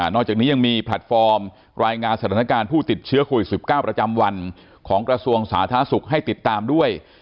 อกจากนี้ยังมีแพลตฟอร์มรายงานสถานการณ์ผู้ติดเชื้อโควิด๑๙ประจำวันของกระทรวงสาธารณสุขให้ติดตามด้วย